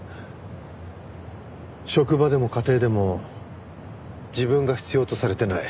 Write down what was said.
職場でも家庭でも自分が必要とされてない。